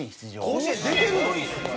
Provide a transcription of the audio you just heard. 甲子園出てるの？